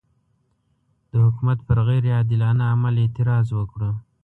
د حکومت پر غیر عادلانه عمل اعتراض وکړو.